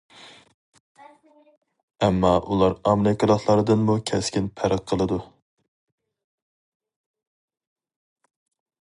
ئەمما ئۇلار ئامېرىكىلىقلاردىنمۇ كەسكىن پەرق قىلىدۇ.